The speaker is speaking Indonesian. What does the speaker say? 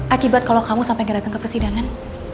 akibat kalau kamu sampai gak datang ke persidangan